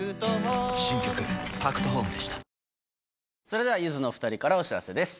それではゆずのお２人からお知らせです。